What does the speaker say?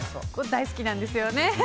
大好きなんですよね。